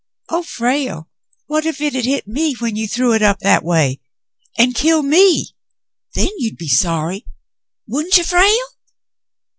"Oh, Frale ! What if it had hit me when you threw it up that way — and — killed me ? Then you'd be sorry, wouldn't you, Frale